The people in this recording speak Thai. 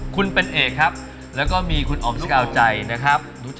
คุณเป็นเอกครับแล้วก็มีคุณอ๋อมสกาวใจนะครับ